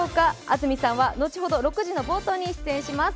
安住さんは後ほど６時の冒頭に出演します。